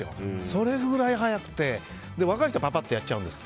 それぐらい速くて、若い人はパパッとやっちゃうんです。